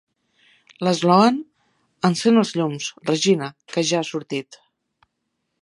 L'eslògan "encén els llums, Regina, que ja ha sortit!"